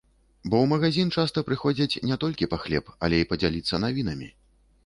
Бо ў магазін часта прыходзяць не толькі па хлеб, але і падзяліцца навінамі.